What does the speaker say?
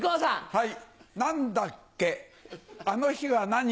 はい。